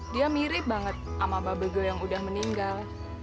dia mirip banget sama bubble yang udah meninggal